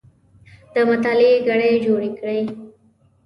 د مطالعې کړۍ جوړې کړئ